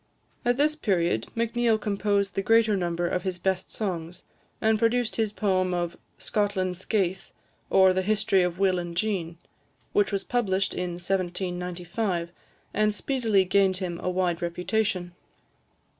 At this period, Macneill composed the greater number of his best songs, and produced his poem of "Scotland's Skaith, or the History of Will and Jean," which was published in 1795, and speedily gained him a wide reputation.